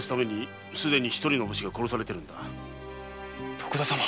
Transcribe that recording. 徳田様！